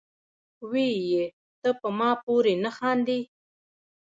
وې ئې " تۀ پۀ ما پورې نۀ خاندې،